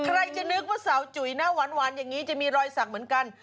ใครจะนึกว่าสาวจุ๋ยหน้าหวานอย่างนี้จะมีรอยสักเหมือนกัน